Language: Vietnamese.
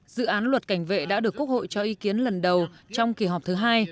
dự án luật cảnh vệ đã được quốc hội cho ý kiến lần đầu trong kỳ họp thứ hai